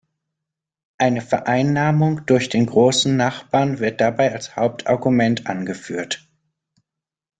Eine Vereinnahmung durch den großen Nachbarn wird dabei als Hauptargument angeführt.